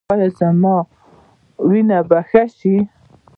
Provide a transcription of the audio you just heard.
ایا زما وینه به ښه شي؟